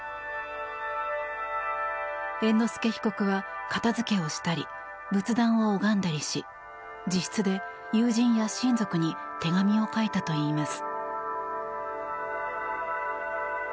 猿之助被告は片付けをしたり仏壇を拝んだりし自室で友人や親族に手紙を書いたといいます。